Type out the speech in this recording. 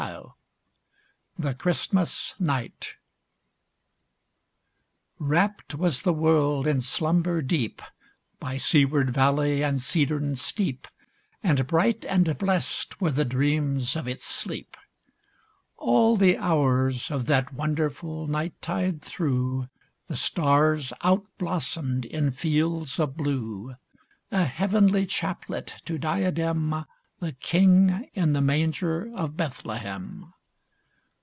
96 THE CHRISTMAS NIGHT Wrapped was the world in slumber deep, By seaward valley and cedarn steep, And bright and blest were the dreams of its sleep; All the hours of that wonderful night tide through The stars outblossomed in fields of blue, A heavenly chaplet, to diadem The King in the manger of Bethlehem.